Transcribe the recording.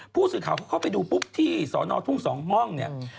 ผู้สื่อข่าวเข้าไปดูปุ๊บที่สอนอทุ่ม๒ห้อง